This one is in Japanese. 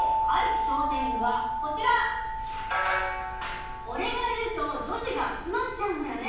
小天狗は、俺がいると女子が集まっちゃうんだよね。